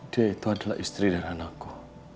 dia itu adalah istri dan anakku